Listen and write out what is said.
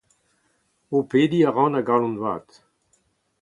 Ho pediñ a ran a-galon-vat.